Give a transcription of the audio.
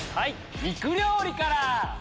肉料理から！